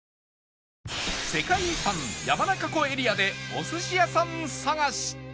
世界遺産山中湖エリアでお寿司屋さん探し